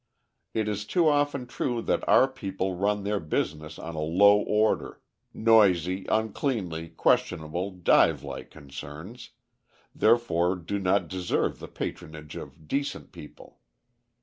It is too often true that our people run their business on a low order noisy, uncleanly, questionable, dive like concerns therefore do not deserve the patronage of decent people.